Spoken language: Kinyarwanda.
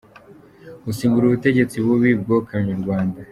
gusimbura ubutegetsi bubi bwokamye u Rwanda.